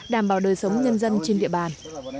đảm bảo đời sống nhân dân trên địa bàn